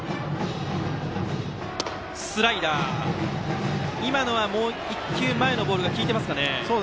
スライダー今のはもう１球前のボールが効いてますかね。